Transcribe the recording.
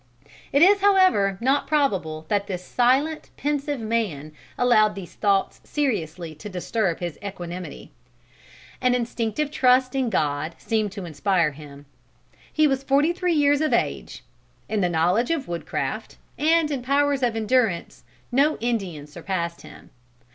It is however not probable that this silent, pensive man allowed these thoughts seriously to disturb his equanimity. An instinctive trust in God seemed to inspire him. He was forty three years of age. In the knowledge of wood craft, and in powers of endurance, no Indian surpassed him.